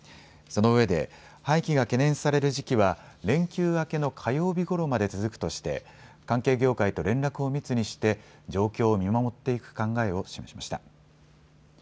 そのうえで廃棄が懸念される時期は連休明けの火曜日ごろまで続くとして関係業界と連絡を密にして状況を見守っていく考えを示しました。